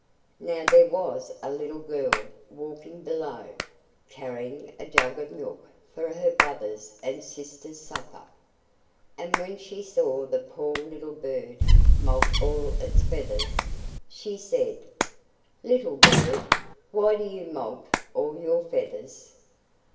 Now there was a little girl walking below, carrying a jug of milk for her brothers' and sisters' supper, and when she saw the poor little bird moult all its feathers, she said: "Little bird, why do you moult all your feathers?"